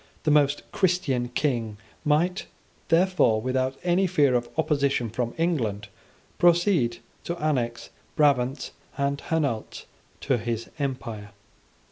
The most Christian King might, therefore, without any fear of opposition from England, proceed to annex Brabant and Hainault to his empire.